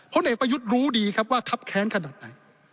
เอกประยุทธ์รู้ดีครับว่าคับแค้นขนาดไหน